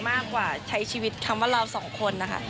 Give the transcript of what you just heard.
มากกว่าใช้ชีวิตคำว่าเราสองคนนะคะ